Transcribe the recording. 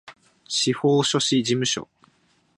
司法書士事務所